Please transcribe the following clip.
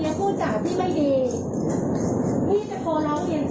แล้วพี่จะทิ้งหมาพี่ไว้ในรถตอนพี่มาซื้อของในเซเว่นได้ยังไง